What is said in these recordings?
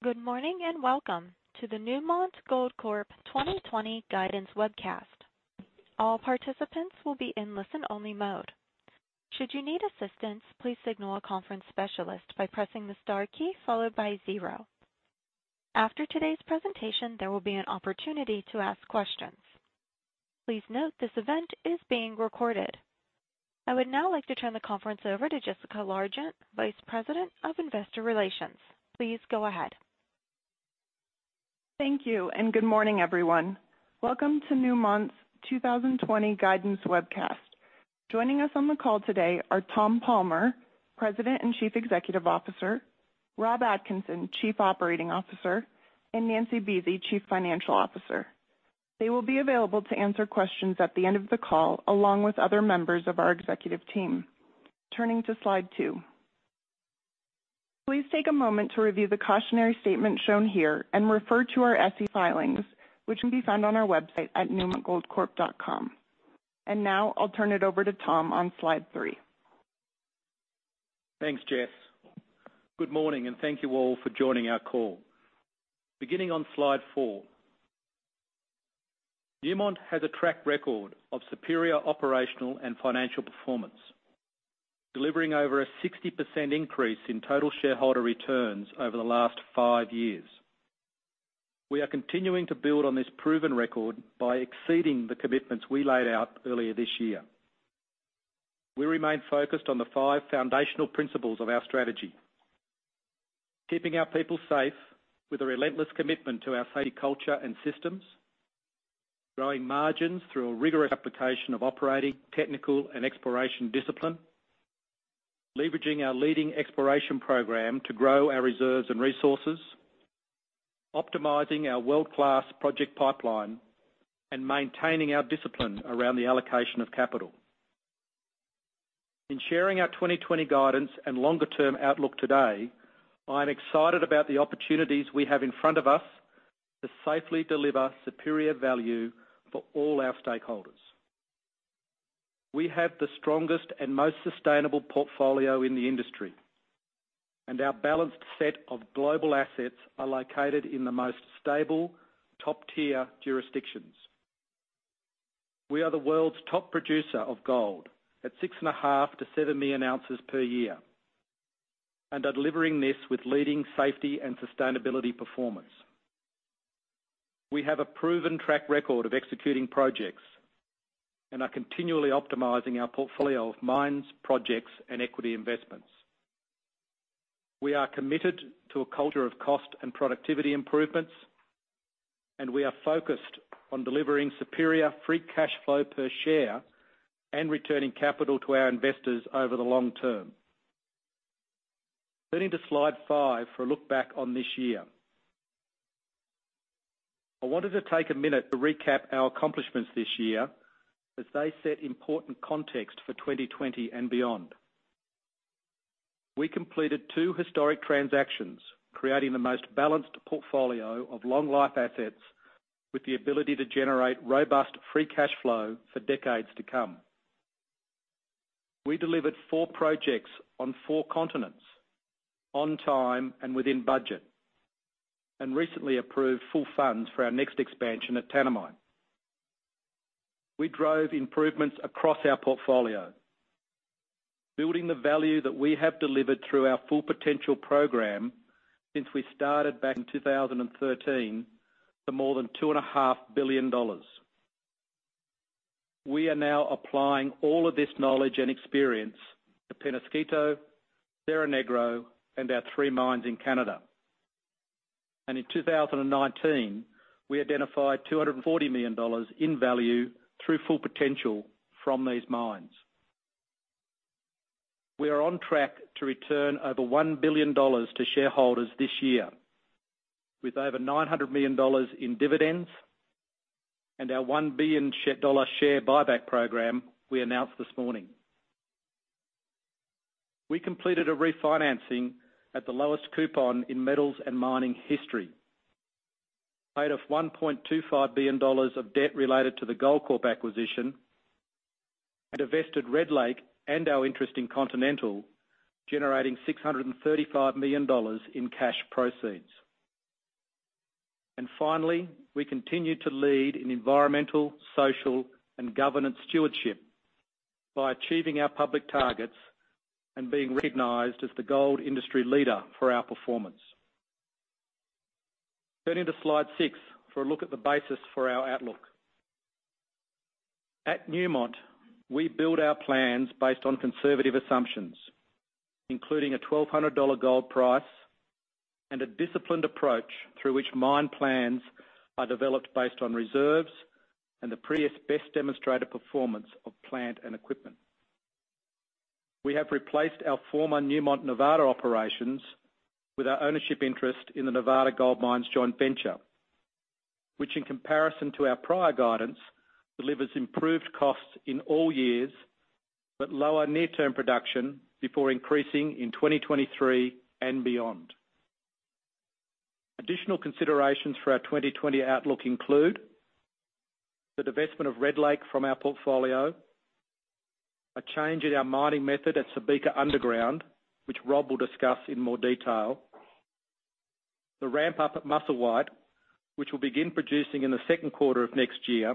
Good morning. Welcome to the Newmont Goldcorp 2020 Guidance Webcast. All participants will be in listen-only mode. Should you need assistance, please signal a conference specialist by pressing the star key followed by zero. After today's presentation, there will be an opportunity to ask questions. Please note this event is being recorded. I would now like to turn the conference over to Jessica Largent, Vice President of Investor Relations. Please go ahead. Thank you. Good morning, everyone. Welcome to Newmont's 2020 Guidance Webcast. Joining us on the call today are Tom Palmer, President and Chief Executive Officer, Rob Atkinson, Chief Operating Officer, and Nancy Buese, Chief Financial Officer. They will be available to answer questions at the end of the call, along with other members of our executive team. Turning to slide two. Please take a moment to review the cautionary statement shown here and refer to our SEC filings, which can be found on our website at newmontgoldcorp.com. Now I'll turn it over to Tom on slide three. Thanks, Jess. Good morning, thank you all for joining our call. Beginning on slide four. Newmont has a track record of superior operational and financial performance, delivering over a 60% increase in total shareholder returns over the last five years. We are continuing to build on this proven record by exceeding the commitments we laid out earlier this year. We remain focused on the five foundational principles of our strategy. Keeping our people safe with a relentless commitment to our safety culture and systems, growing margins through a rigorous application of operating, technical, and exploration discipline, leveraging our leading exploration program to grow our reserves and resources, optimizing our world-class project pipeline, and maintaining our discipline around the allocation of capital. In sharing our 2020 guidance and longer-term outlook today, I am excited about the opportunities we have in front of us to safely deliver superior value for all our stakeholders. We have the strongest and most sustainable portfolio in the industry, and our balanced set of global assets are located in the most stable, top-tier jurisdictions. We are the world's top producer of gold at six and a half to seven million ounces per year, and are delivering this with leading safety and sustainability performance. We have a proven track record of executing projects and are continually optimizing our portfolio of mines, projects, and equity investments. We are committed to a culture of cost and productivity improvements, and we are focused on delivering superior free cash flow per share and returning capital to our investors over the long term. Turning to slide five for a look back on this year. I wanted to take a minute to recap our accomplishments this year as they set important context for 2020 and beyond. We completed two historic transactions, creating the most balanced portfolio of long life assets with the ability to generate robust free cash flow for decades to come. We delivered four projects on four continents on time and within budget, recently approved full funds for our next expansion at Tanami. We drove improvements across our portfolio. Building the value that we have delivered through our Full Potential program since we started back in 2013 to more than $2.5 billion. We are now applying all of this knowledge and experience to Peñasquito, Cerro Negro, and our three mines in Canada. In 2019, we identified $240 million in value through Full Potential from these mines. We are on track to return over $1 billion to shareholders this year, with over $900 million in dividends and our $1 billion share buyback program we announced this morning. We completed a refinancing at the lowest coupon in metals and mining history, paid off $1.25 billion of debt related to the Goldcorp acquisition, divested Red Lake and our interest in Continental, generating $635 million in cash proceeds. Finally, we continue to lead in environmental, social, and governance stewardship by achieving our public targets and being recognized as the gold industry leader for our performance. Turning to slide six for a look at the basis for our outlook. At Newmont, we build our plans based on conservative assumptions, including a $1,200 gold price and a disciplined approach through which mine plans are developed based on reserves and the previous best demonstrated performance of plant and equipment. We have replaced our former Newmont Nevada operations with our ownership interest in the Nevada Gold Mines joint venture, which in comparison to our prior guidance, delivers improved costs in all years, lower near-term production before increasing in 2023 and beyond. Additional considerations for our 2020 outlook include the divestment of Red Lake from our portfolio, a change in our mining method at Subika Underground, which Rob will discuss in more detail. The ramp-up at Musselwhite, which will begin producing in the second quarter of next year,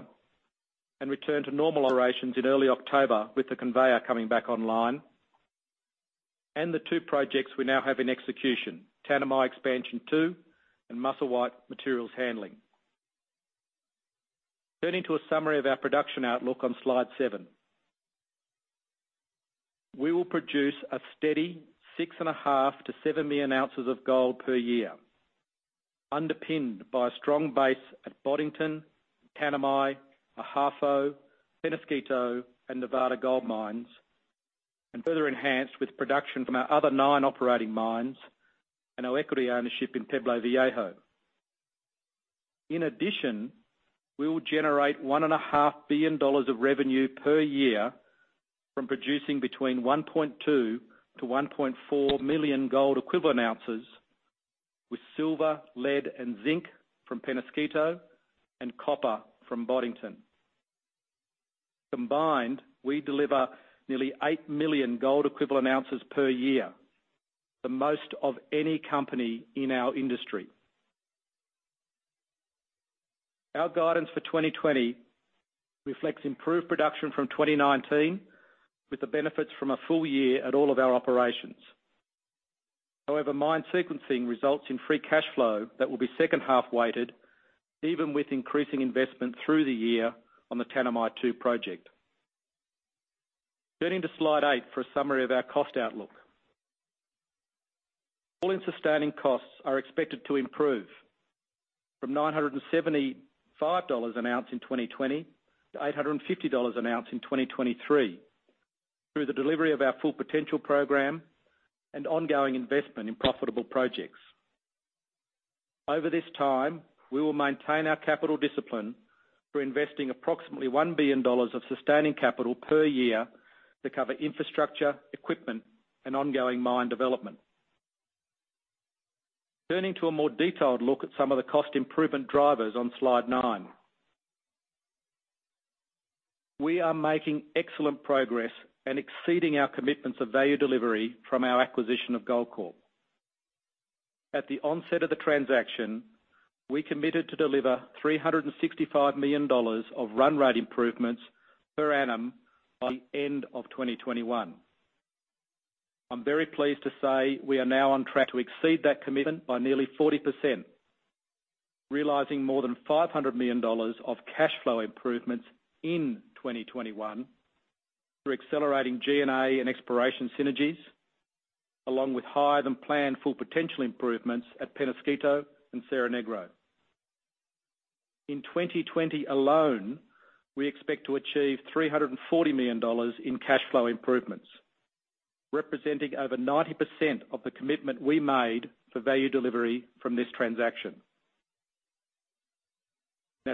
return to normal operations in early October with the conveyor coming back online. The two projects we now have in execution, Tanami Expansion 2 and Musselwhite Materials Handling. Turning to a summary of our production outlook on slide seven. We will produce a steady 6.5 million to 7 million ounces of gold per year, underpinned by a strong base at Boddington, Tanami, Ahafo, Peñasquito, and Nevada Gold Mines, and further enhanced with production from our other nine operating mines, and our equity ownership in Pueblo Viejo. In addition, we will generate $1.5 billion of revenue per year from producing between 1.2 million to 1.4 million gold equivalent ounces, with silver, lead, and zinc from Peñasquito, and copper from Boddington. Combined, we deliver nearly 8 million gold equivalent ounces per year, the most of any company in our industry. Our guidance for 2020 reflects improved production from 2019, with the benefits from a full year at all of our operations. However, mine sequencing results in free cash flow that will be second half weighted, even with increasing investment through the year on the Tanami 2 project. Turning to slide eight for a summary of our cost outlook. All-in sustaining costs are expected to improve from $975 an ounce in 2020 to $850 an ounce in 2023, through the delivery of our Full Potential program and ongoing investment in profitable projects. Over this time, we will maintain our capital discipline for investing approximately $1 billion of sustaining capital per year to cover infrastructure, equipment, and ongoing mine development. Turning to a more detailed look at some of the cost improvement drivers on slide nine. We are making excellent progress and exceeding our commitments of value delivery from our acquisition of Goldcorp. At the onset of the transaction, we committed to deliver $365 million of run rate improvements per annum by the end of 2021. I'm very pleased to say we are now on track to exceed that commitment by nearly 40%, realizing more than $500 million of cash flow improvements in 2021 through accelerating G&A and exploration synergies, along with higher-than-planned Full Potential improvements at Peñasquito and Cerro Negro. In 2020 alone, we expect to achieve $340 million in cash flow improvements, representing over 90% of the commitment we made for value delivery from this transaction.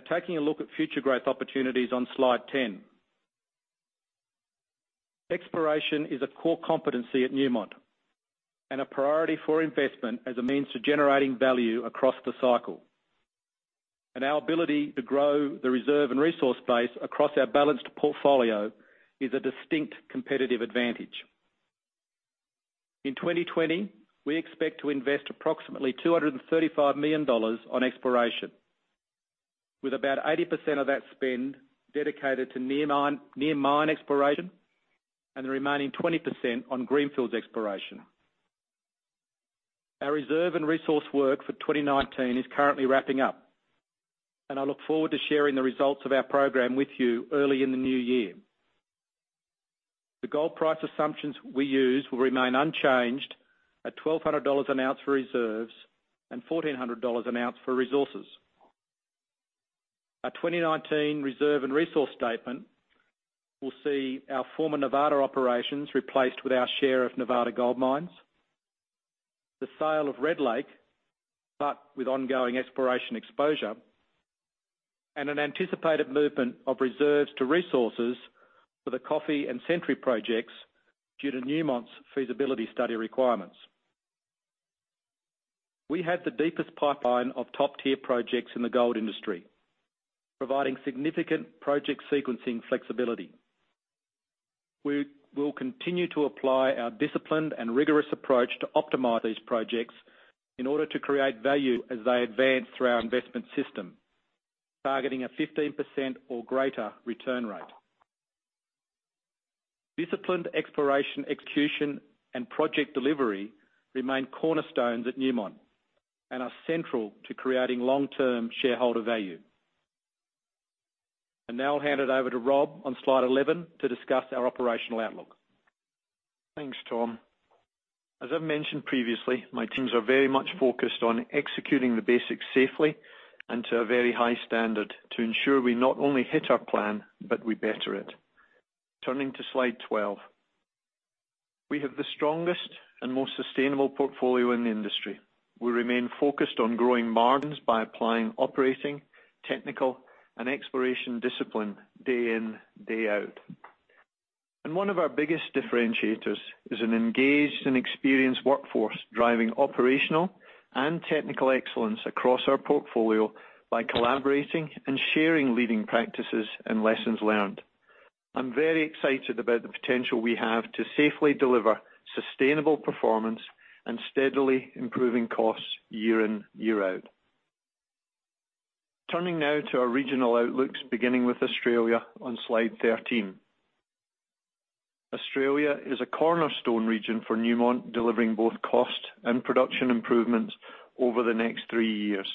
Taking a look at future growth opportunities on slide 10. Exploration is a core competency at Newmont and a priority for investment as a means to generating value across the cycle. Our ability to grow the reserve and resource base across our balanced portfolio is a distinct competitive advantage. In 2020, we expect to invest approximately $235 million on exploration, with about 80% of that spend dedicated to near mine exploration and the remaining 20% on greenfields exploration. Our reserve and resource work for 2019 is currently wrapping up, and I look forward to sharing the results of our program with you early in the new year. The gold price assumptions we use will remain unchanged at $1,200 an ounce for reserves and $1,400 an ounce for resources. Our 2019 reserve and resource statement will see our former Nevada operations replaced with our share of Nevada Gold Mines, the sale of Red Lake, but with ongoing exploration exposure, and an anticipated movement of reserves to resources for the Coffee and Century projects due to Newmont's feasibility study requirements. We have the deepest pipeline of top-tier projects in the gold industry, providing significant project sequencing flexibility. We will continue to apply our disciplined and rigorous approach to optimize these projects in order to create value as they advance through our investment system, targeting a 15% or greater return rate. Disciplined exploration, execution, and project delivery remain cornerstones at Newmont and are central to creating long-term shareholder value. I now hand it over to Rob on slide 11 to discuss our operational outlook. Thanks, Tom. As I've mentioned previously, my teams are very much focused on executing the basics safely and to a very high standard to ensure we not only hit our plan, but we better it. Turning to slide 12. We have the strongest and most sustainable portfolio in the industry. We remain focused on growing margins by applying operating, technical, and exploration discipline day in, day out, one of our biggest differentiators is an engaged and experienced workforce driving operational and technical excellence across our portfolio by collaborating and sharing leading practices and lessons learned. I'm very excited about the potential we have to safely deliver sustainable performance and steadily improving costs year in, year out. Turning now to our regional outlooks, beginning with Australia on slide 13. Australia is a cornerstone region for Newmont, delivering both cost and production improvements over the next three years.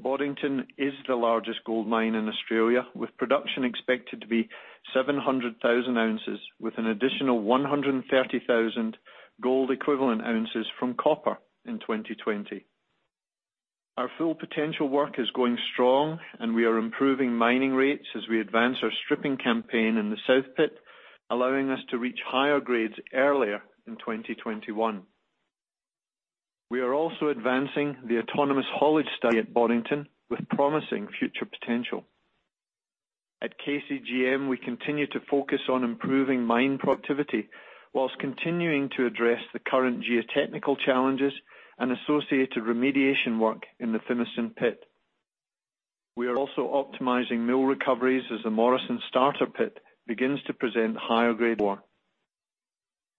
Boddington is the largest gold mine in Australia, with production expected to be 700,000 ounces, with an additional 130,000 gold equivalent ounces from copper in 2020. Our Full Potential work is going strong, we are improving mining rates as we advance our stripping campaign in the south pit, allowing us to reach higher grades earlier in 2021. We are also advancing the autonomous haulage study at Boddington with promising future potential. At KCGM, we continue to focus on improving mine productivity while continuing to address the current geotechnical challenges and associated remediation work in the Fimiston pit. We are also optimizing mill recoveries as the Morrison starter pit begins to present higher-grade ore.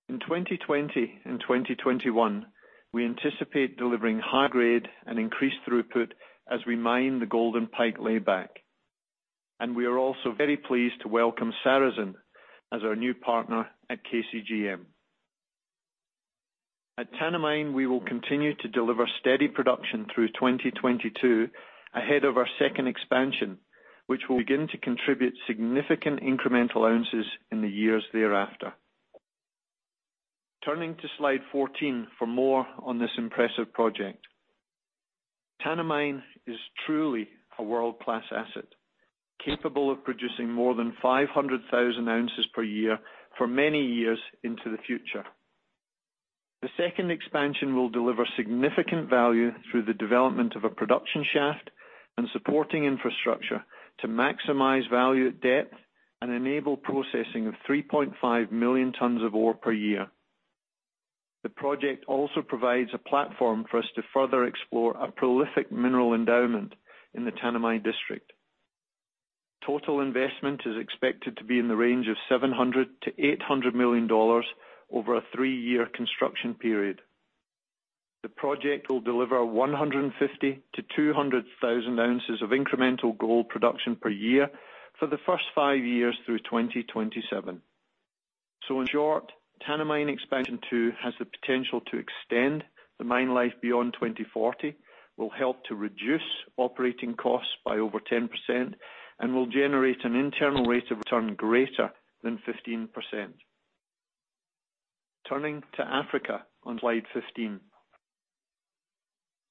In 2020 and 2021, we anticipate delivering high grade and increased throughput as we mine the Golden Pike layback. We are also very pleased to welcome Saracen as our new partner at KCGM. At Tanami, we will continue to deliver steady production through 2022 ahead of our second expansion, which will begin to contribute significant incremental ounces in the years thereafter. Turning to slide 14 for more on this impressive project. Tanami is truly a world-class asset, capable of producing more than 500,000 ounces per year for many years into the future. The second expansion will deliver significant value through the development of a production shaft and supporting infrastructure to maximize value at depth and enable processing of 3.5 million tons of ore per year. The project also provides a platform for us to further explore a prolific mineral endowment in the Tanami district. Total investment is expected to be in the range of $700 million-$800 million over a three-year construction period. The project will deliver 150,000 to 200,000 ounces of incremental gold production per year for the first five years through 2027. In short, Tanami Expansion 2 has the potential to extend the mine life beyond 2040, will help to reduce operating costs by over 10%, and will generate an internal rate of return greater than 15%. Turning to Africa on slide 15.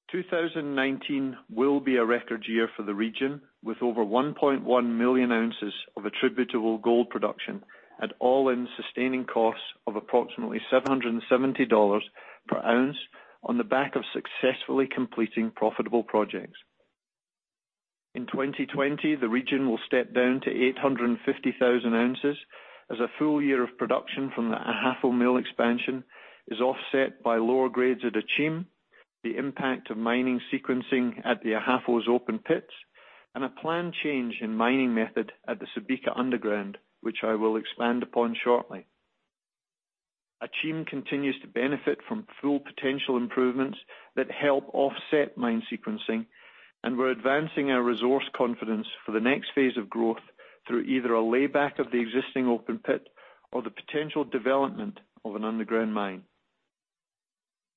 2019 will be a record year for the region, with over 1.1 million ounces of attributable gold production at all-in sustaining costs of approximately $770 per ounce on the back of successfully completing profitable projects. In 2020, the region will step down to 850,000 ounces as a full year of production from the Ahafo Mill Expansion is offset by lower grades at Akyem, the impact of mining sequencing at the Ahafo's open pits, and a planned change in mining method at the Subika underground, which I will expand upon shortly. Akyem continues to benefit from Full Potential improvements that help offset mine sequencing, and we're advancing our resource confidence for the next phase of growth through either a layback of the existing open pit or the potential development of an underground mine.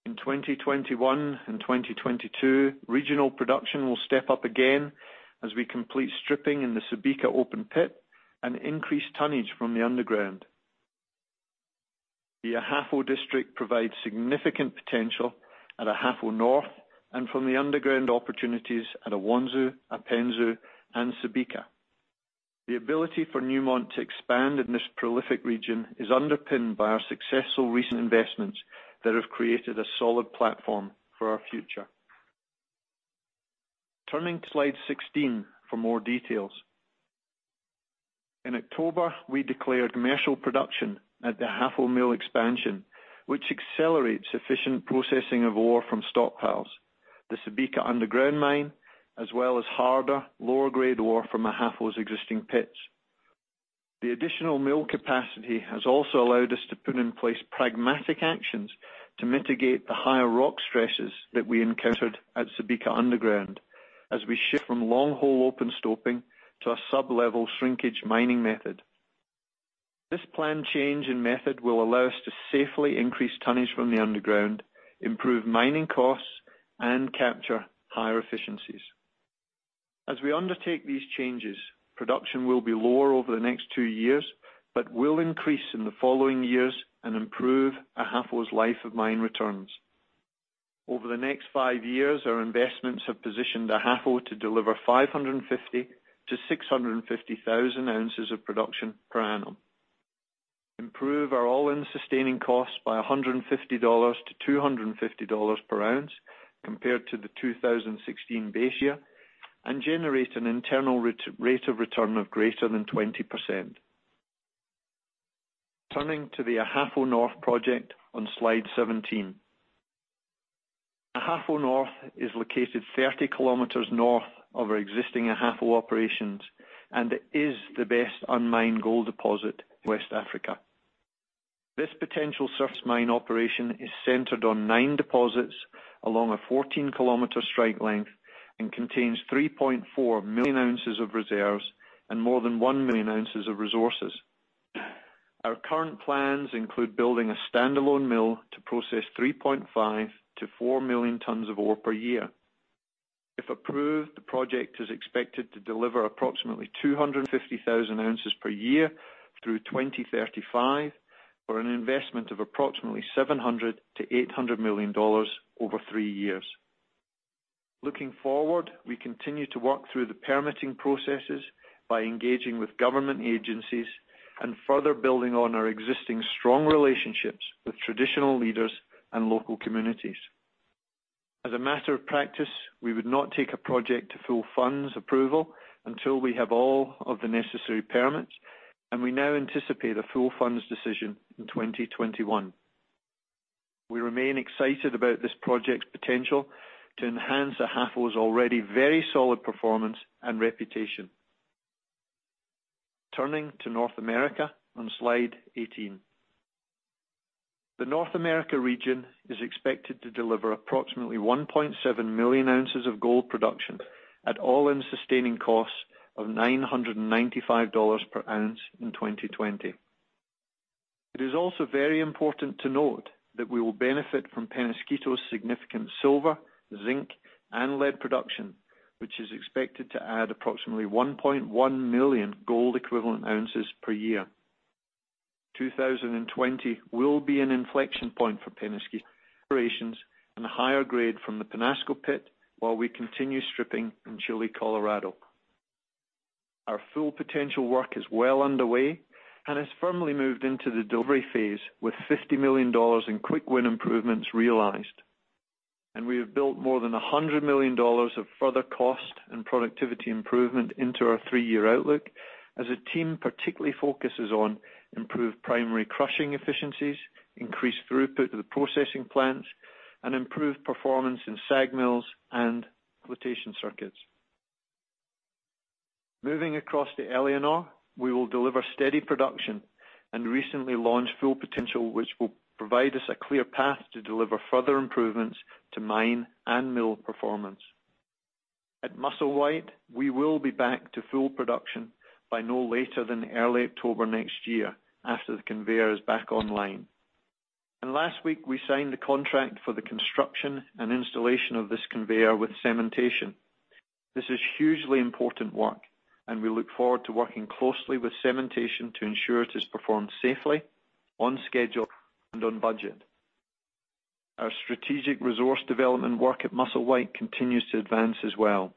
In 2021 and 2022, regional production will step up again as we complete stripping in the Subika open pit and increase tonnage from the underground. The Ahafo district provides significant potential at Ahafo North and from the underground opportunities at Awonsu, Apensu, and Subika. The ability for Newmont to expand in this prolific region is underpinned by our successful recent investments that have created a solid platform for our future. Turning to slide 16 for more details. In October, we declared commercial production at the Ahafo Mill Expansion, which accelerates efficient processing of ore from stockpiles, the Subika underground mine, as well as harder, lower-grade ore from Ahafo's existing pits. The additional mill capacity has also allowed us to put in place pragmatic actions to mitigate the higher rock stresses that we encountered at Subika underground, as we shift from long-hole open stoping to a sub-level shrinkage mining method. This planned change in method will allow us to safely increase tonnage from the underground, improve mining costs, and capture higher efficiencies. As we undertake these changes, production will be lower over the next two years, but will increase in the following years and improve Ahafo's life of mine returns. Over the next five years, our investments have positioned Ahafo to deliver 550,000 to 650,000 ounces of production per annum, improve our all-in sustaining costs by $150-$250 per ounce compared to the 2016 base year. Generate an internal rate of return of greater than 20%. Turning to the Ahafo North project on slide 17. Ahafo North is located 30 kilometers north of our existing Ahafo operations. It is the best unmined gold deposit in West Africa. This potential surface mine operation is centered on nine deposits along a 14-kilometer strike length and contains 3.4 million ounces of reserves and more than one million ounces of resources. Our current plans include building a standalone mill to process 3.5-4 million tons of ore per year. If approved, the project is expected to deliver approximately 250,000 ounces per year through 2035, for an investment of approximately $700-$800 million over three years. Looking forward, we continue to work through the permitting processes by engaging with government agencies and further building on our existing strong relationships with traditional leaders and local communities. As a matter of practice, we would not take a project to full funds approval until we have all of the necessary permits, and we now anticipate a full funds decision in 2021. We remain excited about this project's potential to enhance Ahafo's already very solid performance and reputation. Turning to North America on slide 18. The North America region is expected to deliver approximately 1.7 million ounces of gold production at all-in sustaining costs of $995 per ounce in 2020. It is also very important to note that we will benefit from Peñasquito's significant silver, zinc, and lead production, which is expected to add approximately 1.1 million gold equivalent ounces per year. 2020 will be an inflection point for Peñasquito operations and higher grade from the Peñasco Pit, while we continue stripping in Chile Colorado. Our Full Potential work is well underway and has firmly moved into the delivery phase, with $50 million in quick win improvements realized. We have built more than $100 million of further cost and productivity improvement into our three-year outlook as the team particularly focuses on improved primary crushing efficiencies, increased throughput to the processing plants, and improved performance in SAG mills and flotation circuits. Moving across to Éléonore, we will deliver steady production and recently launched Full Potential, which will provide us a clear path to deliver further improvements to mine and mill performance. At Musselwhite, we will be back to full production by no later than early October next year after the conveyor is back online. Last week, we signed the contract for the construction and installation of this conveyor with Cementation. This is hugely important work. We look forward to working closely with Cementation to ensure it is performed safely, on schedule, and on budget. Our strategic resource development work at Musselwhite continues to advance as well.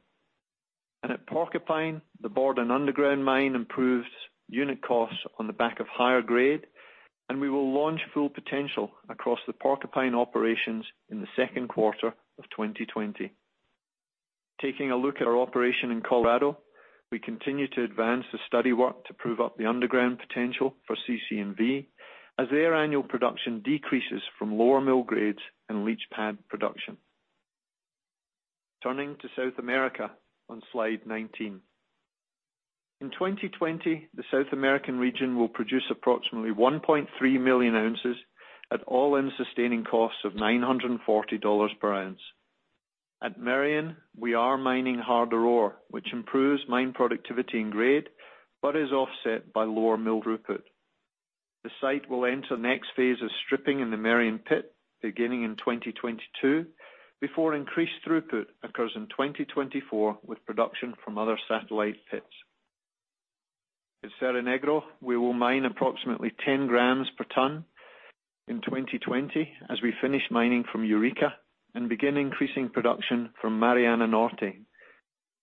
At Porcupine, the board and underground mine improves unit costs on the back of higher grade. We will launch Full Potential across the Porcupine operations in the second quarter of 2020. Taking a look at our operation in Colorado, we continue to advance the study work to prove up the underground potential for CC&V as their annual production decreases from lower mill grades and leach pad production. Turning to South America on slide 19. In 2020, the South American region will produce approximately 1.3 million ounces at all-in sustaining costs of $940 per ounce. At Merian, we are mining harder ore, which improves mine productivity and grade but is offset by lower mill throughput. The site will enter next phase of stripping in the Merian pit beginning in 2022 before increased throughput occurs in 2024 with production from other satellite pits. At Cerro Negro, we will mine approximately 10 grams per ton in 2020 as we finish mining from Eureka and begin increasing production from Mariana Norte.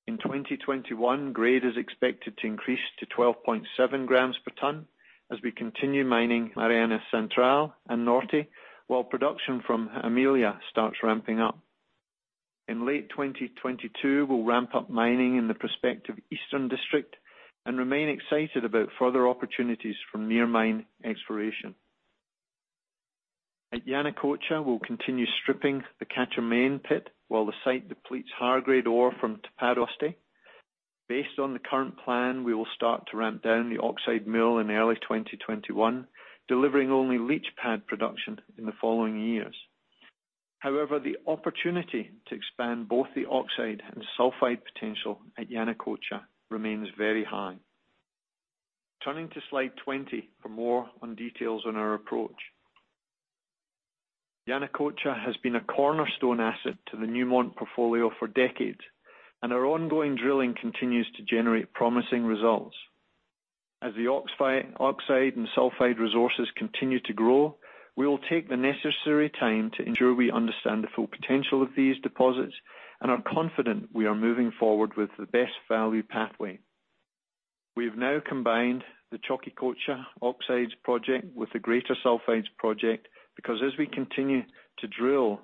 In 2021, grade is expected to increase to 12.7 grams per ton as we continue mining Mariana Central and Norte, while production from Amelia starts ramping up. In late 2022, we'll ramp up mining in the prospective Eastern District and remain excited about further opportunities from near mine exploration. At Yanacocha, we'll continue stripping the Quecher main pit while the site depletes high-grade ore from Tapado Oeste. Based on the current plan, we will start to ramp down the oxide mill in early 2021, delivering only leach pad production in the following years. However, the opportunity to expand both the oxide and sulfide potential at Yanacocha remains very high. Turning to slide 20 for more on details on our approach. Yanacocha has been a cornerstone asset to the Newmont portfolio for decades, and our ongoing drilling continues to generate promising results. As the oxide and sulfide resources continue to grow, we will take the necessary time to ensure we understand the full potential of these deposits and are confident we are moving forward with the best value pathway. We've now combined the Chaquicocha oxides project with the greater sulfides project, because as we continue to drill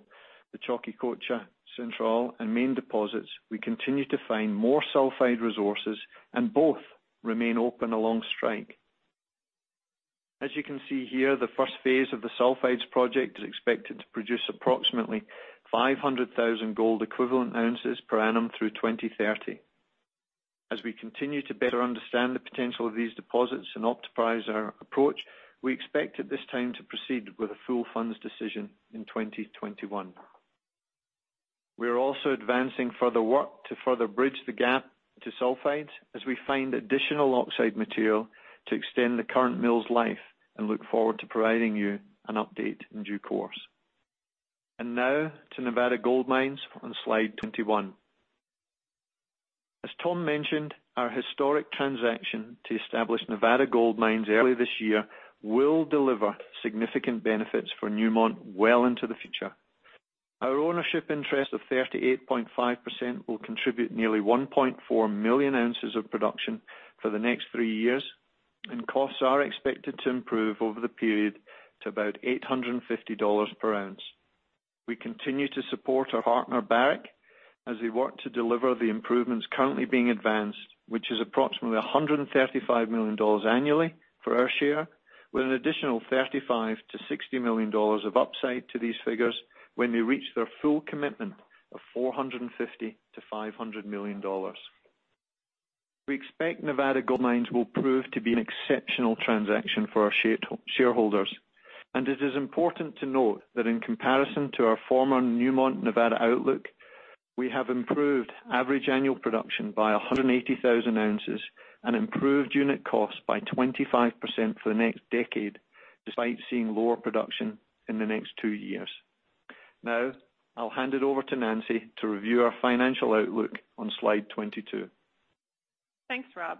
the Chaquicocha Central and main deposits, we continue to find more sulfide resources, and both remain open along strike. As you can see here, the first phase of the sulfides project is expected to produce approximately 500,000 gold equivalent ounces per annum through 2030. As we continue to better understand the potential of these deposits and optimize our approach, we expect at this time to proceed with a full funds decision in 2021. We are also advancing further work to further bridge the gap to sulfides as we find additional oxide material to extend the current mill's life and look forward to providing you an update in due course. Now to Nevada Gold Mines on slide 21. As Tom mentioned, our historic transaction to establish Nevada Gold Mines early this year will deliver significant benefits for Newmont well into the future. Our ownership interest of 38.5% will contribute nearly 1.4 million ounces of production for the next three years, and costs are expected to improve over the period to about $850 per ounce. We continue to support our partner, Barrick, as we work to deliver the improvements currently being advanced, which is approximately $135 million annually for our share, with an additional $35 million-$60 million of upside to these figures when they reach their full commitment of $450 million-$500 million. We expect Nevada Gold Mines will prove to be an exceptional transaction for our shareholders. It is important to note that in comparison to our former Newmont Nevada outlook, we have improved average annual production by 180,000 ounces and improved unit costs by 25% for the next decade, despite seeing lower production in the next two years. I'll hand it over to Nancy to review our financial outlook on slide 22. Thanks, Rob.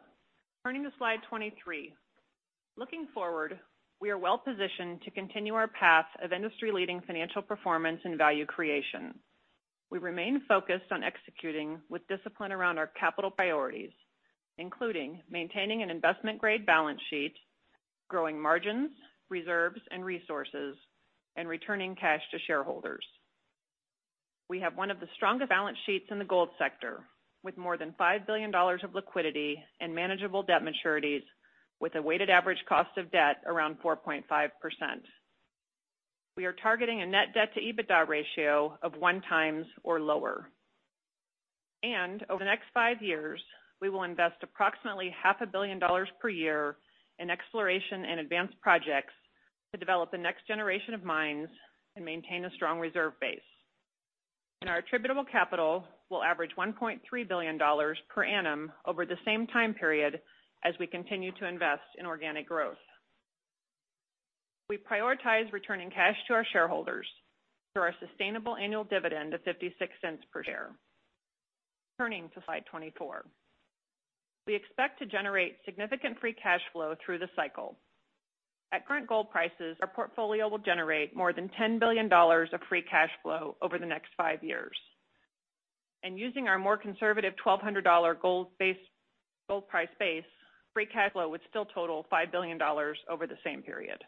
Turning to slide 23. Looking forward, we are well-positioned to continue our path of industry-leading financial performance and value creation. We remain focused on executing with discipline around our capital priorities, including maintaining an investment-grade balance sheet, growing margins, reserves, and resources, and returning cash to shareholders. We have one of the strongest balance sheets in the gold sector, with more than $5 billion of liquidity and manageable debt maturities with a weighted average cost of debt around 4.5%. We are targeting a net debt-to-EBITDA ratio of one times or lower. Over the next five years, we will invest approximately half a billion dollars per year in exploration and advanced projects to develop the next generation of mines and maintain a strong reserve base. Our attributable capital will average $1.3 billion per annum over the same time period as we continue to invest in organic growth. We prioritize returning cash to our shareholders through our sustainable annual dividend of $0.56 per share. Turning to slide 24. We expect to generate significant free cash flow through the cycle. At current gold prices, our portfolio will generate more than $10 billion of free cash flow over the next five years. Using our more conservative $1,200 gold price base, free cash flow would still total $5 billion over the same period.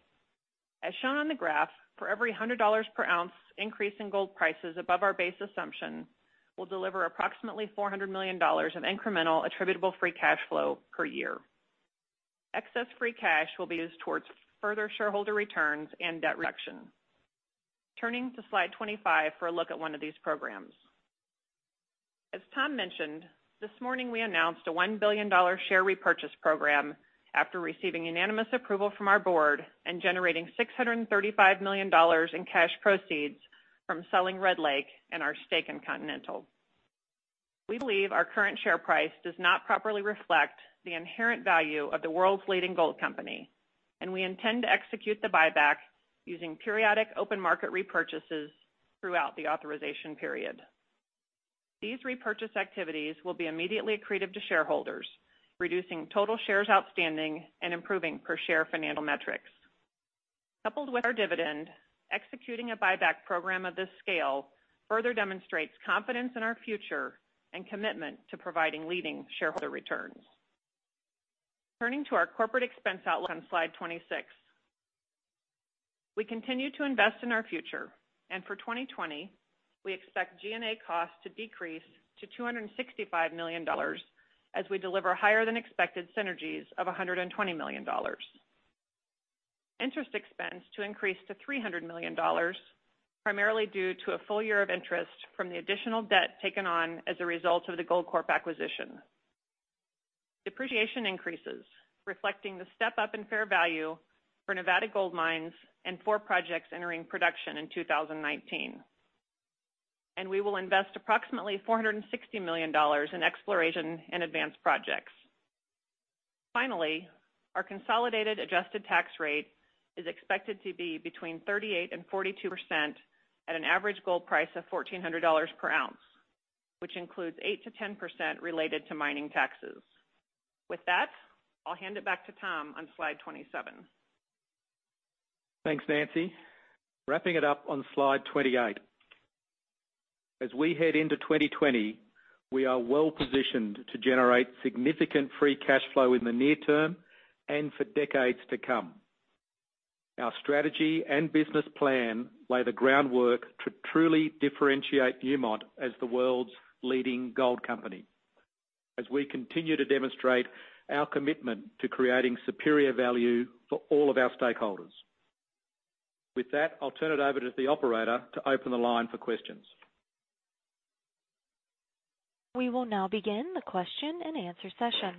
As shown on the graph, for every $100 per ounce increase in gold prices above our base assumption, we'll deliver approximately $400 million of incremental attributable free cash flow per year. Excess free cash will be used towards further shareholder returns and debt reduction. Turning to slide 25 for a look at one of these programs. As Tom mentioned, this morning we announced a $1 billion share repurchase program after receiving unanimous approval from our board and generating $635 million in cash proceeds from selling Red Lake and our stake in Continental. We believe our current share price does not properly reflect the inherent value of the world's leading gold company, and we intend to execute the buyback using periodic open market repurchases throughout the authorization period. These repurchase activities will be immediately accretive to shareholders, reducing total shares outstanding and improving per-share financial metrics. Coupled with our dividend, executing a buyback program of this scale further demonstrates confidence in our future and commitment to providing leading shareholder returns. Turning to our corporate expense outlook on slide 26. We continue to invest in our future. For 2020, we expect G&A costs to decrease to $265 million as we deliver higher than expected synergies of $120 million. Interest expense to increase to $300 million, primarily due to a full year of interest from the additional debt taken on as a result of the Goldcorp acquisition. Depreciation increases, reflecting the step-up in fair value for Nevada Gold Mines and four projects entering production in 2019. We will invest approximately $460 million in exploration and advanced projects. Finally, our consolidated adjusted tax rate is expected to be between 38% and 42% at an average gold price of $1,400 per ounce, which includes 8%-10% related to mining taxes. With that, I'll hand it back to Tom on slide 27. Thanks, Nancy. Wrapping it up on slide 28. As we head into 2020, we are well-positioned to generate significant free cash flow in the near term and for decades to come. Our strategy and business plan lay the groundwork to truly differentiate Newmont as the world's leading gold company, as we continue to demonstrate our commitment to creating superior value for all of our stakeholders. With that, I'll turn it over to the operator to open the line for questions. We will now begin the question and answer session.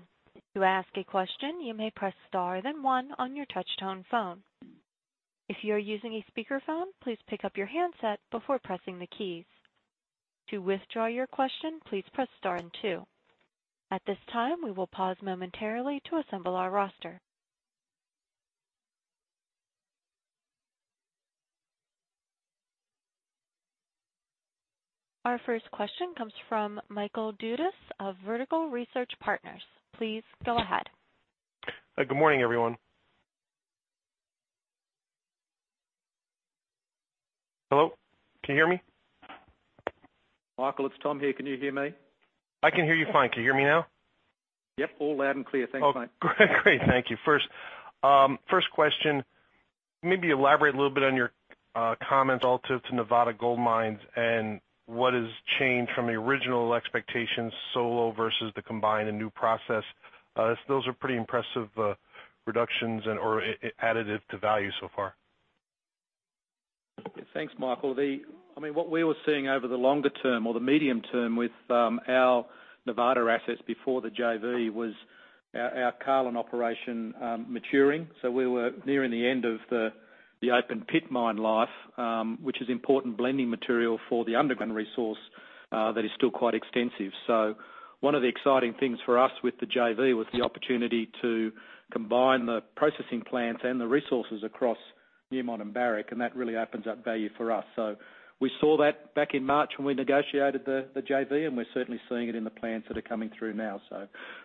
To ask a question, you may press star then one on your touch-tone phone. If you are using a speakerphone, please pick up your handset before pressing the keys. To withdraw your question, please press star and two. At this time, we will pause momentarily to assemble our roster. Our first question comes from Michael Dudas of Vertical Research Partners. Please go ahead. Good morning, everyone. Hello? Can you hear me? Michael, it's Tom here. Can you hear me? I can hear you fine. Can you hear me now? Yep, all loud and clear. Thanks, mate. Great. Thank you. First question, maybe elaborate a little bit on your comments relative to Nevada Gold Mines and what has changed from the original expectations, solo versus the combined and new process? Those are pretty impressive reductions or additive to value so far. Thanks, Michael. What we were seeing over the longer term or the medium term with our Nevada assets before the JV was our Carlin operation maturing. We were nearing the end of the open pit mine life, which is important blending material for the underground resource that is still quite extensive. One of the exciting things for us with the JV was the opportunity to combine the processing plants and the resources across Newmont and Barrick, and that really opens up value for us. We saw that back in March when we negotiated the JV, and we're certainly seeing it in the plans that are coming through now.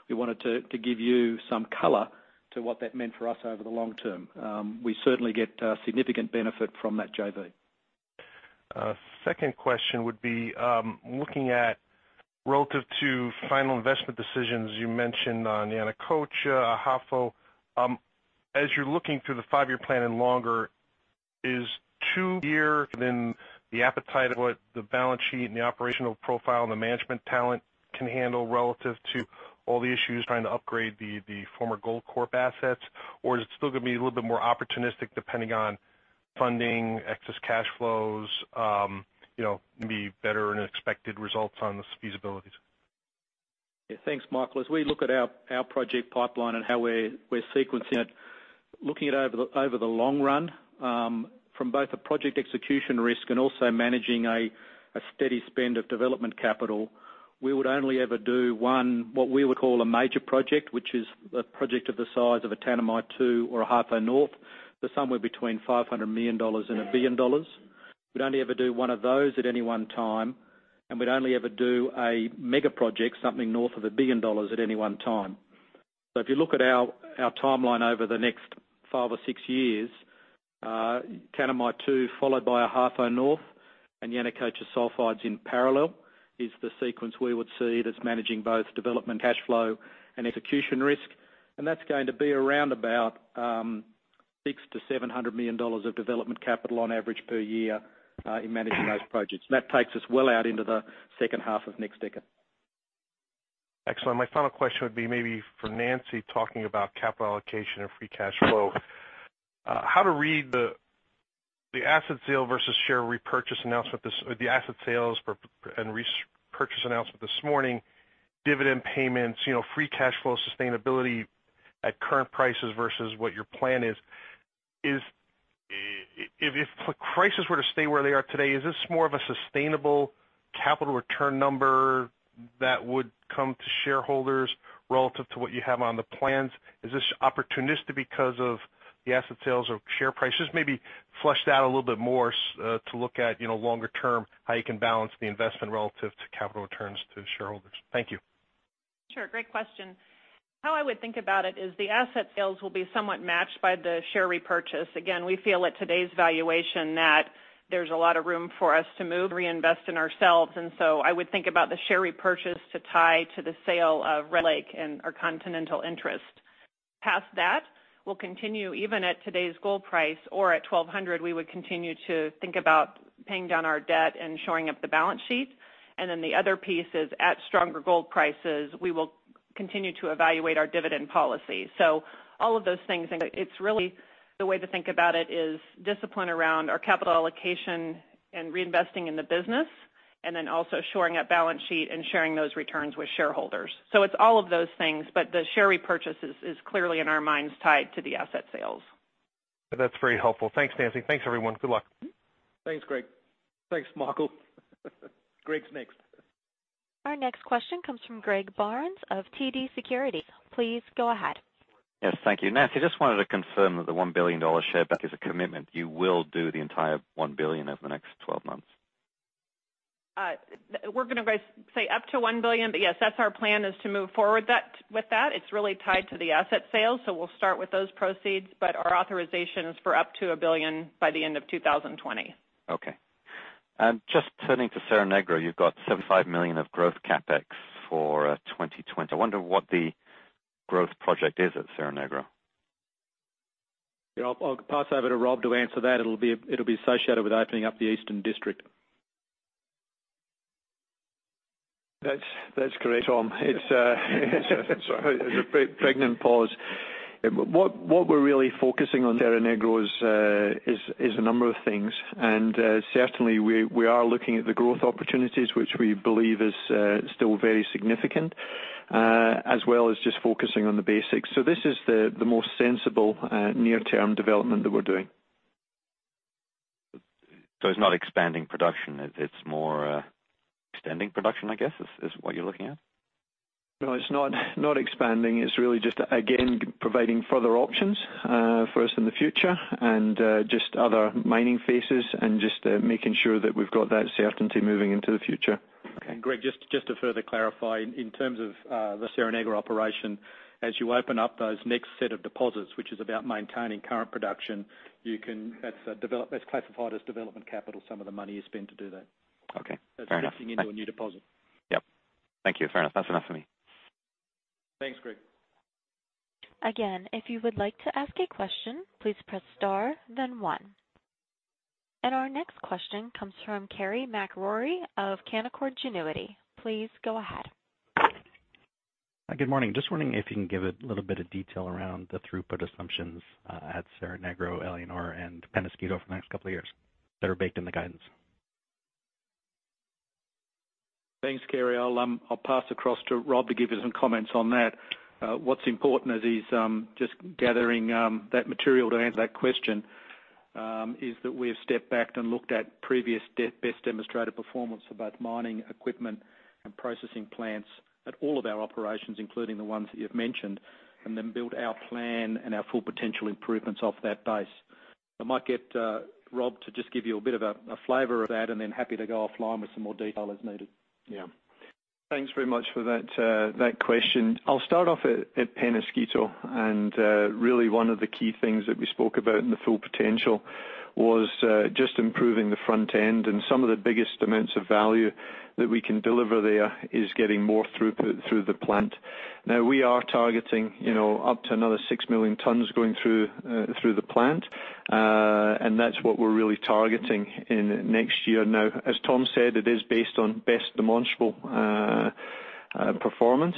We wanted to give you some color to what that meant for us over the long term. We certainly get significant benefit from that JV. Second question would be, looking at relative to final investment decisions you mentioned on Yanacocha, Ahafo. As you're looking through the five-year plan and longer, is two-year within the appetite of what the balance sheet and the operational profile and the management talent can handle relative to all the issues trying to upgrade the former Goldcorp assets? Is it still going to be a little bit more opportunistic depending on funding, excess cash flows, maybe better than expected results on these feasibilities? Yeah. Thanks, Michael. As we look at our project pipeline and how we're sequencing it, looking at over the long run, from both a project execution risk and also managing a steady spend of development capital, we would only ever do one, what we would call a major project, which is a project of the size of a Tanami 2 or Ahafo North. They're somewhere between $500 million and $1 billion. We'd only ever do one of those at any one time, and we'd only ever do a mega project, something north of $1 billion at any one time. If you look at our timeline over the next five or six years, Tanami 2 followed by Ahafo North and Yanacocha Sulfides in parallel is the sequence we would see that's managing both development cash flow and execution risk. That's going to be around about $600 million-$700 million of development capital on average per year in managing those projects. That takes us well out into the second half of next decade. Excellent. My final question would be maybe for Nancy, talking about capital allocation and free cash flow. How to read the asset sale versus share repurchase announcement, or the asset sales and repurchase announcement this morning, dividend payments, free cash flow sustainability at current prices versus what your plan is. If prices were to stay where they are today, is this more of a sustainable capital return number that would come to shareholders relative to what you have on the plans? Is this opportunistic because of the asset sales or share prices? Maybe flesh that a little bit more to look at longer term, how you can balance the investment relative to capital returns to shareholders. Thank you. Sure. Great question. How I would think about it is the asset sales will be somewhat matched by the share repurchase. Again, we feel at today's valuation that there's a lot of room for us to move, reinvest in ourselves. I would think about the share repurchase to tie to the sale of Red Lake and our Continental interest. Past that, we'll continue even at today's gold price or at $1,200, we would continue to think about paying down our debt and shoring up the balance sheet. The other piece is at stronger gold prices, we will continue to evaluate our dividend policy. All of those things, and it's really the way to think about it is discipline around our capital allocation and reinvesting in the business, and then also shoring up balance sheet and sharing those returns with shareholders. It's all of those things, but the share repurchase is clearly in our minds tied to the asset sales. That's very helpful. Thanks, Nancy. Thanks, everyone. Good luck. Thanks, Greg. Thanks, Michael. Greg's next. Our next question comes from Greg Barnes of TD Securities. Please go ahead. Yes. Thank you. Nancy, just wanted to confirm that the $1 billion share back is a commitment. You will do the entire $1 billion over the next 12 months? We're going to say up to $1 billion, but yes, that's our plan is to move forward with that. It's really tied to the asset sale, so we'll start with those proceeds, but our authorization is for up to $1 billion by the end of 2020. Okay. Just turning to Cerro Negro, you've got $75 million of growth CapEx for 2020. I wonder what the growth project is at Cerro Negro. Yeah, I'll pass over to Rob to answer that. It'll be associated with opening up the Eastern District. That's great, Tom. It's a pregnant pause. What we're really focusing on Cerro Negro is a number of things, certainly, we are looking at the growth opportunities, which we believe is still very significant, as well as just focusing on the basics. This is the most sensible near-term development that we're doing. It's not expanding production. It's more extending production, I guess, is what you're looking at? No, it's not expanding. It's really just, again, providing further options for us in the future and just other mining phases and just making sure that we've got that certainty moving into the future. Okay. Greg, just to further clarify, in terms of the Cerro Negro operation, as you open up those next set of deposits, which is about maintaining current production, that's classified as development capital, some of the money you spend to do that. Okay, fair enough. That's investing into a new deposit. Yep. Thank you. Fair enough. That's enough for me. Thanks, Greg. Again, if you would like to ask a question, please press star then one. Our next question comes from Carey MacRury of Canaccord Genuity. Please go ahead. Good morning. Just wondering if you can give a little bit of detail around the throughput assumptions at Cerro Negro, Éléonore, and Peñasquito for the next couple of years that are baked in the guidance? Thanks, Carey. I'll pass across to Rob to give you some comments on that. What's important as he's just gathering that material to answer that question is that we have stepped back and looked at previous best demonstrated performance for both mining equipment and processing plants at all of our operations, including the ones that you've mentioned, and then built our plan and our Full Potential improvements off that base. I might get Rob to just give you a bit of a flavor of that, and then happy to go offline with some more detail as needed. Yeah. Thanks very much for that question. I'll start off at Peñasquito, and really one of the key things that we spoke about in the Full Potential was just improving the front end, and some of the biggest amounts of value that we can deliver there is getting more throughput through the plant. We are targeting up to another 6 million tons going through the plant. That's what we're really targeting in next year. As Tom said, it is based on best demonstrable performance.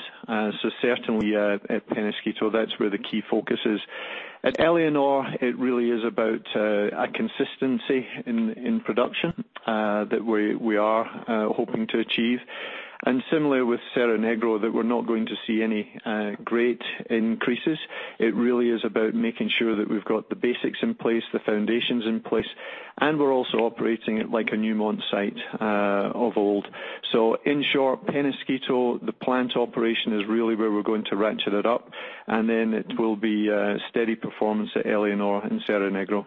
Certainly, at Peñasquito, that's where the key focus is. At Éléonore, it really is about a consistency in production that we are hoping to achieve. Similarly with Cerro Negro, that we're not going to see any great increases. It really is about making sure that we've got the basics in place, the foundations in place, and we're also operating it like a Newmont site of old. In short, Peñasquito, the plant operation is really where we're going to ratchet it up, and then it will be a steady performance at Éléonore and Cerro Negro.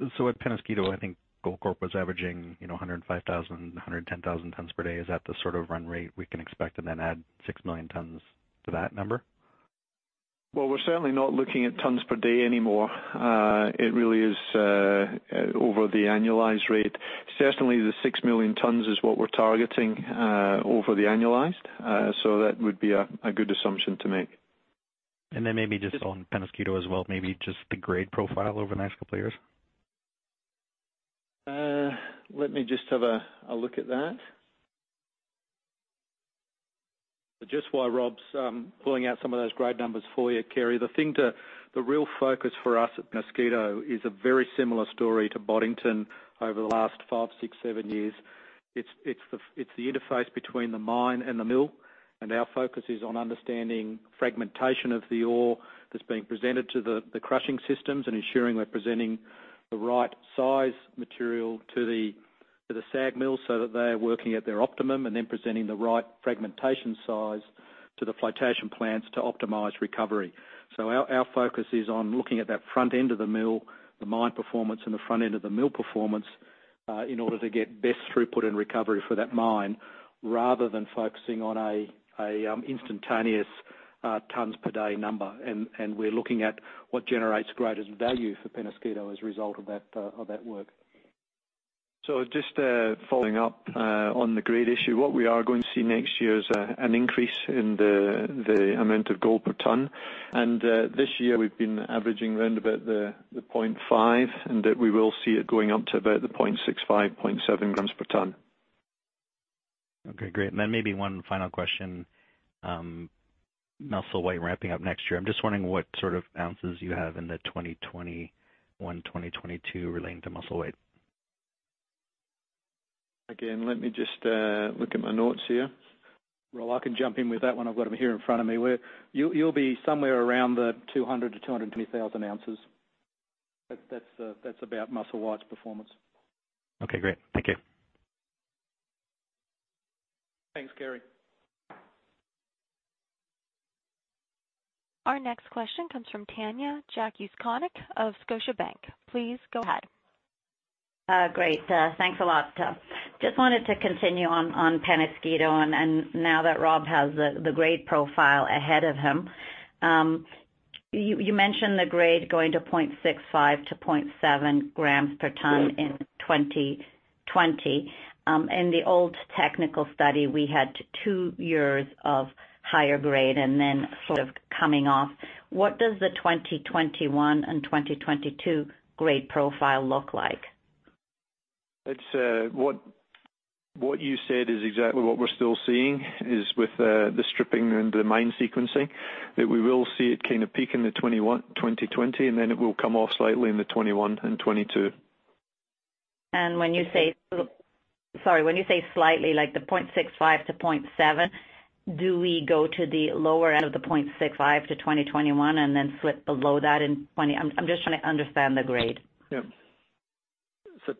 At Peñasquito, I think Goldcorp was averaging 105,000, 110,000 tons per day. Is that the sort of run rate we can expect, and then add 6 million tons to that number? Well, we're certainly not looking at tons per day anymore. It really is over the annualized rate. Certainly, the 6 million tons is what we're targeting over the annualized. That would be a good assumption to make. Then maybe just on Peñasquito as well, maybe just the grade profile over the next couple of years? Let me just have a look at that. Just while Rob's pulling out some of those grade numbers for you, Carey, the real focus for us at Peñasquito is a very similar story to Boddington over the last five, six, seven years. It's the interface between the mine and the mill. Our focus is on understanding fragmentation of the ore that's being presented to the crushing systems and ensuring we're presenting the right size material to the SAG mill so that they are working at their optimum and then presenting the right fragmentation size to the flotation plants to optimize recovery. Our focus is on looking at that front end of the mill, the mine performance, and the front end of the mill performance in order to get best throughput and recovery for that mine rather than focusing on an instantaneous tons per day number. We're looking at what generates greatest value for Peñasquito as a result of that work. Just following up on the grade issue, what we are going to see next year is an increase in the amount of gold per ton. This year we've been averaging around about the 0.5 and that we will see it going up to about the 0.65, 0.7 grams per ton. Okay, great. Maybe one final question. Musselwhite ramping up next year. I'm just wondering what sort of ounces you have in the 2021, 2022 relating to Musselwhite. Let me just look at my notes here. Rob, I can jump in with that one. I've got them here in front of me. You'll be somewhere around the 200-220,000 ounces. That's about Musselwhite's performance. Okay, great. Thank you. Thanks, Carey. Our next question comes from Tanya Jakusconek of Scotiabank. Please go ahead. Great. Thanks a lot. Just wanted to continue on Peñasquito, and now that Rob has the grade profile ahead of him. You mentioned the grade going to 0.65 to 0.7 grams per tonne in 2020. In the old technical study, we had two years of higher grade and then sort of coming off. What does the 2021 and 2022 grade profile look like? What you said is exactly what we're still seeing is with the stripping and the mine sequencing, that we will see it kind of peak in the 2020, and then it will come off slightly in the 2021 and 2022. When you say slightly, like the 0.65-0.7, do we go to the lower end of the 0.65 to 2021 and then slip below that in 2020? I'm just trying to understand the grade. Yeah.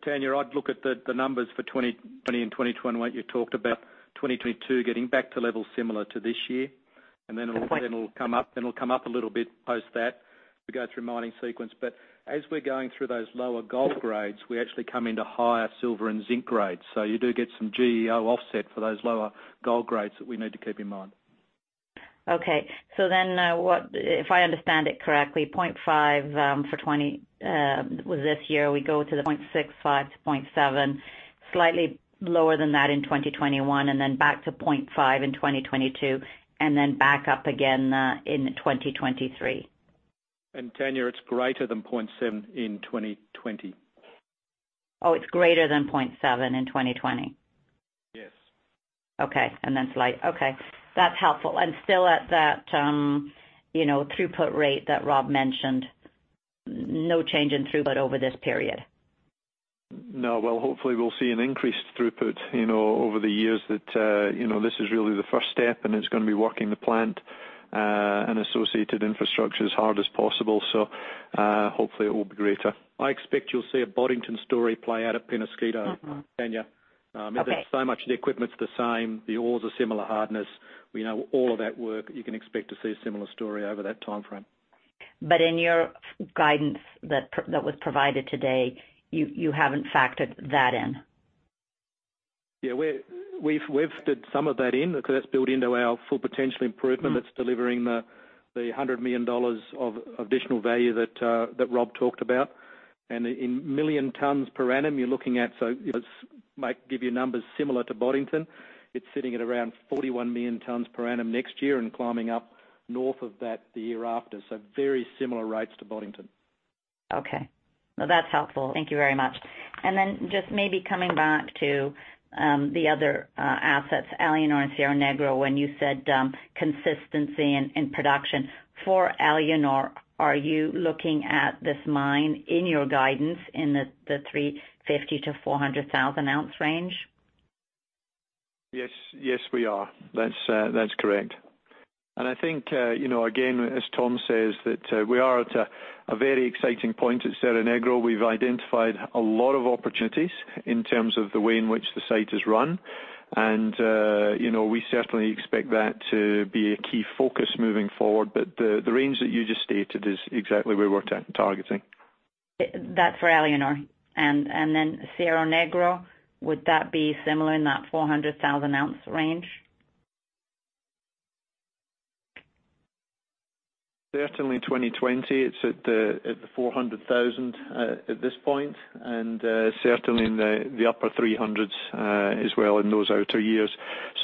Tanya, I'd look at the numbers for 2020 and 2021, what you talked about 2022 getting back to levels similar to this year. Okay. Then it'll come up a little bit post that as we go through mining sequence. As we're going through those lower gold grades, we actually come into higher silver and zinc grades. You do get some GEO offset for those lower gold grades that we need to keep in mind. Okay. If I understand it correctly, 0.5 for this year, we go to the 0.65 to 0.7, slightly lower than that in 2021, and then back to 0.5 in 2022, and then back up again in 2023. Tanya, it's greater than 0.7 in 2020. it's greater than 0.7 in 2020. Yes. Okay, that's helpful. Still at that throughput rate that Rob mentioned, no change in throughput over this period. No. Well, hopefully we'll see an increased throughput over the years that this is really the first step, and it's going to be working the plant, and associated infrastructure as hard as possible. Hopefully it will be greater. I expect you'll see a Boddington story play out at Peñasquito, Tanya. Okay. Much of the equipment's the same, the ore's a similar hardness. We know all of that work. You can expect to see a similar story over that timeframe. In your guidance that was provided today, you haven't factored that in. Yeah. We've did some of that in, because that's built into our Full Potential improvement that's delivering the $100 million of additional value that Rob talked about. In million tons per annum, you're looking at, it might give you numbers similar to Boddington. It's sitting at around 41 million tons per annum next year and climbing up north of that the year after. Very similar rates to Boddington. Okay. No, that's helpful. Thank you very much. Just maybe coming back to the other assets, Éléonore and Cerro Negro, when you said consistency in production for Éléonore, are you looking at this mine in your guidance in the 350-400,000 ounce range? Yes, we are. That's correct. I think, again, as Tom says, that we are at a very exciting point at Cerro Negro. We've identified a lot of opportunities in terms of the way in which the site is run. We certainly expect that to be a key focus moving forward. The range that you just stated is exactly where we're targeting. That's for Éléonore. Cerro Negro, would that be similar in that 400,000 ounce range? Certainly in 2020, it's at the 400,000 at this point, and certainly in the upper 300s, as well in those outer years.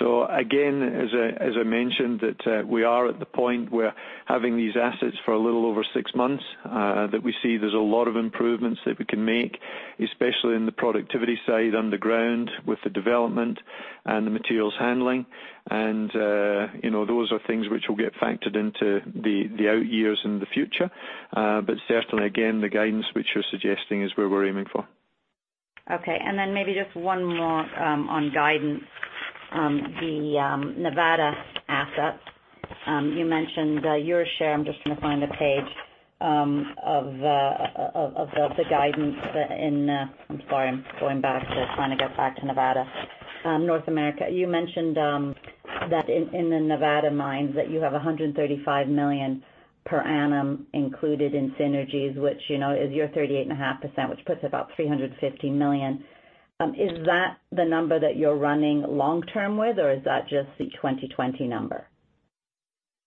Again, as I mentioned that we are at the point where having these assets for a little over six months, that we see there's a lot of improvements that we can make, especially in the productivity side underground with the development and the materials handling. Those are things which will get factored into the out years in the future. Certainly, again, the guidance which you're suggesting is where we're aiming for. Okay. Maybe just one more on guidance. The Nevada assets. You mentioned your share. I'm just going to find the page of the guidance. I'm sorry, I'm going back. Trying to get back to Nevada. North America. You mentioned that in the Nevada mines, that you have $135 million per annum included in synergies, which is your 38.5%, which puts about $350 million. Is that the number that you're running long term with, or is that just the 2020 number?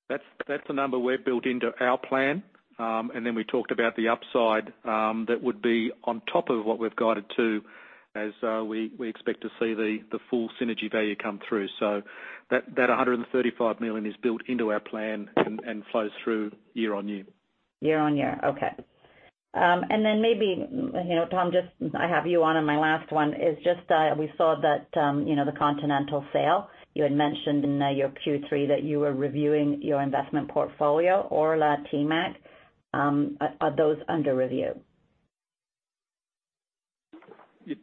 That's the number we've built into our plan. We talked about the upside that would be on top of what we've guided to as we expect to see the full synergy value come through. That $135 million is built into our plan and flows through year-on-year. Year on year. Okay. Maybe, Tom, I have you on, and my last one is just, we saw that the Continental sale, you had mentioned in your Q3 that you were reviewing your investment portfolio or [the TMAC]. Are those under review?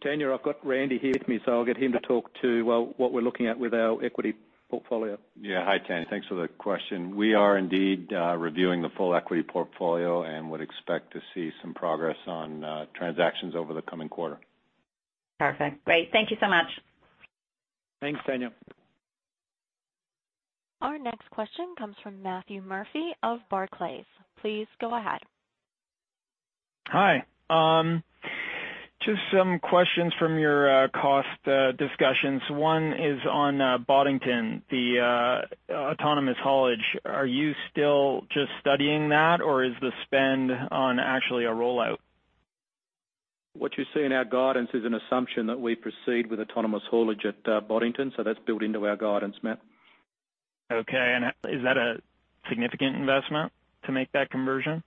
Tanya, I've got Randy here with me, so I'll get him to talk to what we're looking at with our equity portfolio. Hi, Tanya. Thanks for the question. We are indeed reviewing the full equity portfolio and would expect to see some progress on transactions over the coming quarter. Perfect. Great. Thank you so much. Thanks, Tanya. Our next question comes from Matthew Murphy of Barclays. Please go ahead. Hi. Just some questions from your cost discussions. One is on Boddington, the autonomous haulage. Are you still just studying that, or is the spend on actually a rollout? What you see in our guidance is an assumption that we proceed with autonomous haulage at Boddington. That's built into our guidance, Matt. Okay. Is that a significant investment to make that conversion?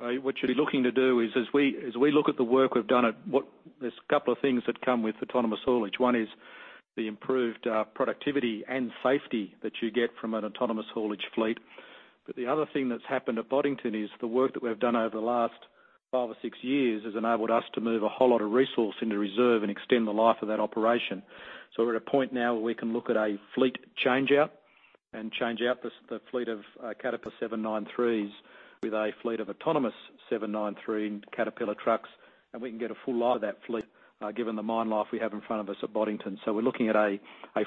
What you're looking to do is, as we look at the work we've done, there's a couple of things that come with autonomous haulage. One is the improved productivity and safety that you get from an autonomous haulage fleet. The other thing that's happened at Boddington is the work that we've done over the last five or six years has enabled us to move a whole lot of resource into reserve and extend the life of that operation. We're at a point now where we can look at a fleet change-out, and change out the fleet of Caterpillar 793s with a fleet of autonomous 793 Caterpillar trucks, and we can get a full life of that fleet, given the mine life we have in front of us at Boddington. We're looking at a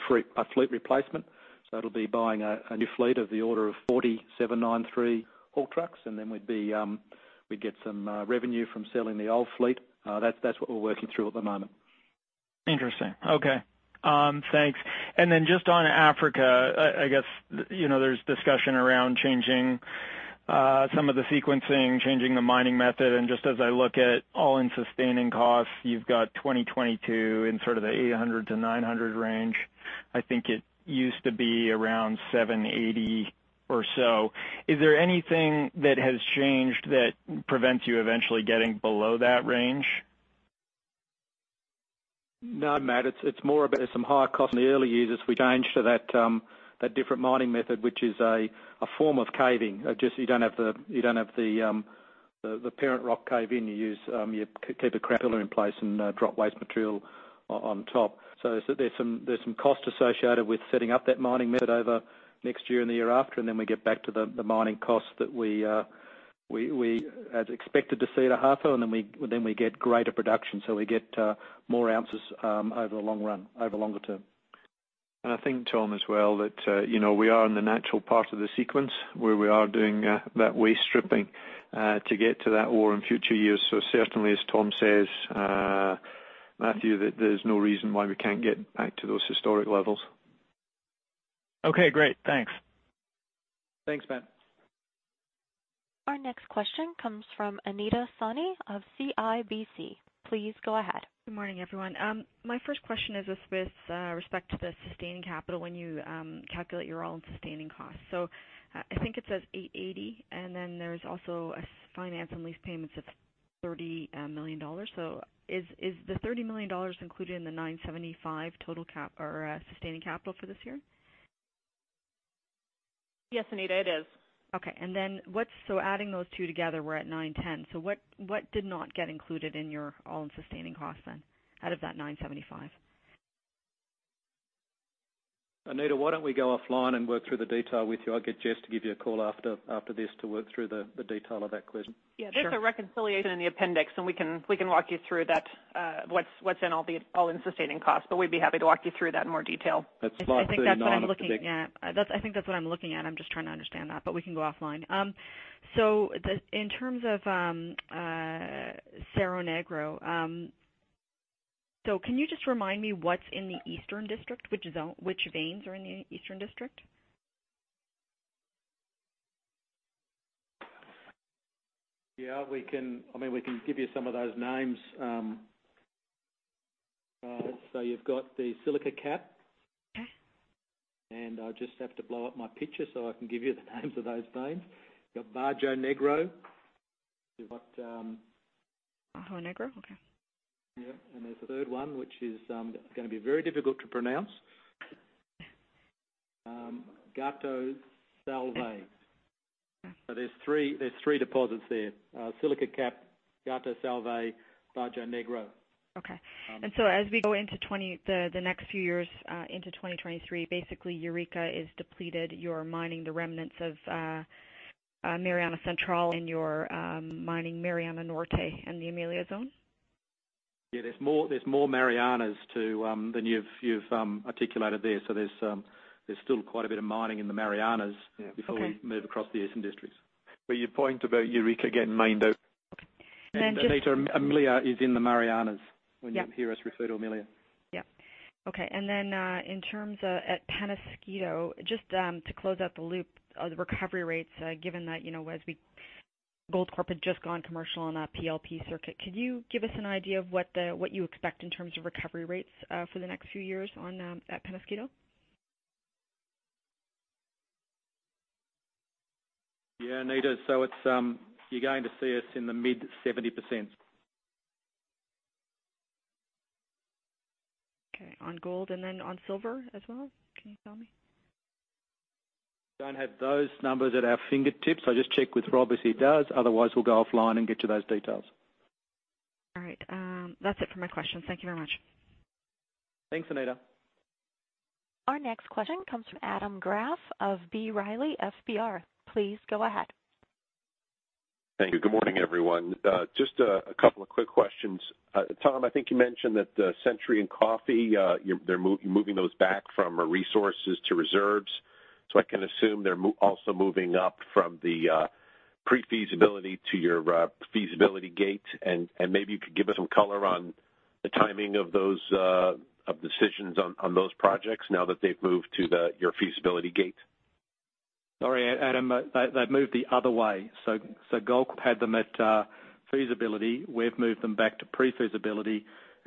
fleet replacement. It'll be buying a new fleet of the order of 40 793 haul trucks, and then we'd get some revenue from selling the old fleet. That's what we're working through at the moment. Interesting. Okay. Thanks. Then just on Africa, I guess, there's discussion around changing some of the sequencing, changing the mining method, and just as I look at all-in sustaining costs, you've got 2022 in sort of the $800-$900 range. I think it used to be around $780 or so. Is there anything that has changed that prevents you eventually getting below that range? No, Matt, it's more about some higher costs in the early years as we change to that different mining method, which is a form of caving. Just you don't have the parent rock cave-in. You keep a cracker in place and drop waste material on top. There's some cost associated with setting up that mining method over next year and the year after, and then we get back to the mining costs that we had expected to see at Ahafo, and then we get greater production. We get more ounces over the long run, over longer term. I think, Tom, as well that we are in the natural part of the sequence where we are doing that waste stripping to get to that ore in future years. Certainly as Tom says, Matthew, that there's no reason why we can't get back to those historic levels. Okay, great. Thanks. Thanks, Matt. Our next question comes from Anita Soni of CIBC. Please go ahead. Good morning, everyone. My first question is with respect to the sustaining capital when you calculate your all-in sustaining costs. I think it says 880, and then there's also a finance and lease payments of $30 million. Is the $30 million included in the 975 total cap or sustaining capital for this year? Yes, Anita, it is. Okay. Adding those two together, we're at $910. What did not get included in your all-in sustaining costs then, out of that $975? Anita, why don't we go offline and work through the detail with you? I'll get Jess to give you a call after this to work through the detail of that question. Yeah. There's a reconciliation in the appendix, and we can walk you through that, what's in all the all-in sustaining costs, but we'd be happy to walk you through that in more detail. That's slide 39. I think that's what I'm looking at. I'm just trying to understand that. We can go offline. In terms of Cerro Negro, can you just remind me what's in the Eastern District? Which veins are in the Eastern District? Yeah. We can give you some of those names. You've got the Silica Cap. Okay. I'll just have to blow up my picture so I can give you the names of those veins. You've got Bajo Negro. You've got Bajo Negro? Okay. Yeah. There's a third one, which is going to be very difficult to pronounce. Gato Salvaje. There's three deposits there. Silica Cap, Gato Salvaje, Bajo Negro. Okay. As we go into the next few years, into 2023, basically Eureka is depleted. You're mining the remnants of Mariana Central, and you're mining Mariana Norte and the Amelia zone? Yeah, there's more Marianas than you've articulated there. There's still quite a bit of mining in the Marianas. Okay before we move across the Eastern District. Your point about Eureka getting mined out. And then just- Anita, Amelia is in the Marianas. Yep when you hear us refer to Ahafo Mill Expansion. Yep. Okay. In terms of at Peñasquito, just to close out the loop on the recovery rates, given that Goldcorp had just gone commercial on that PLP circuit, could you give us an idea of what you expect in terms of recovery rates for the next few years at Peñasquito? Yeah, Anita. You're going to see us in the mid 70%. Okay. On gold, and then on silver as well? Can you tell me? Don't have those numbers at our fingertips. I'll just check with Rob if he does. Otherwise, we'll go offline and get you those details. All right. That's it for my questions. Thank you very much. Thanks, Anita. Our next question comes from Adam Graf of B. Riley FBR. Please go ahead. Thank you. Good morning, everyone. Just a couple of quick questions. Tom, I think you mentioned that Century and Coffee, you're moving those back from resources to reserves. I can assume they're also moving up from the pre-feasibility to your feasibility gate, and maybe you could give us some color on the timing of decisions on those projects now that they've moved to your feasibility gate. Sorry, Adam, they've moved the other way. Goldcorp had them at feasibility. We've moved them back to pre-feasibility.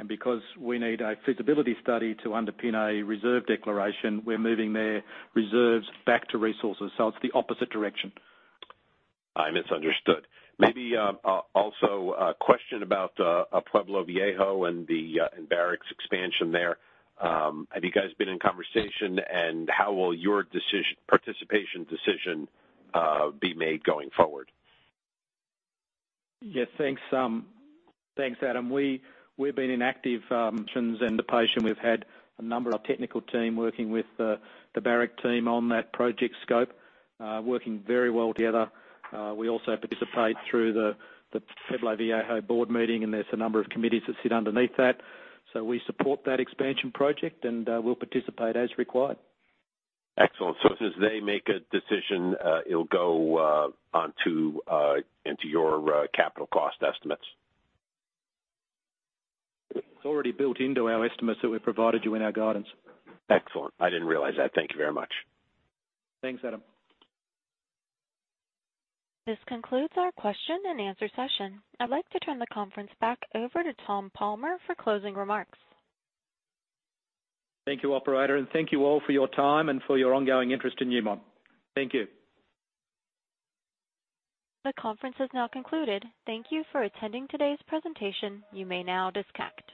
Because we need a feasibility study to underpin a reserve declaration, we're moving their reserves back to resources. It's the opposite direction. I misunderstood. Maybe also a question about Pueblo Viejo and Barrick's expansion there. Have you guys been in conversation, and how will your participation decision be made going forward? Yeah, thanks, Adam. We've been active and patient. We've had a number of our technical team working with the Barrick team on that project scope, working very well together. We also participate through the Pueblo Viejo board meeting, and there's a number of committees that sit underneath that. We support that expansion project, and we'll participate as required. Excellent. As soon as they make a decision, it'll go into your capital cost estimates. It's already built into our estimates that we provided you in our guidance. Excellent. I didn't realize that. Thank you very much. Thanks, Adam. This concludes our question and answer session. I'd like to turn the conference back over to Tom Palmer for closing remarks. Thank you, operator, and thank you all for your time and for your ongoing interest in Newmont. Thank you. The conference has now concluded. Thank you for attending today's presentation. You may now disconnect.